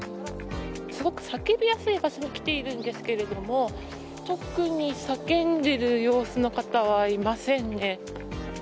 すごく叫びやすい場所に来ているんですけど特に叫んでる様子の方はいませんね。